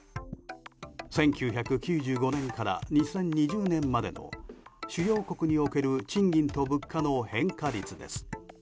１９９５年から２０２０年までの主要国における賃金と物価の変化率です。